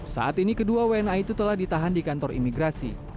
saat ini kedua wna itu telah ditahan di kantor imigrasi